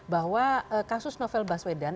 bahwa kasus novel baswedan